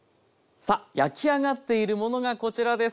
さあ焼き上がっているものがこちらです。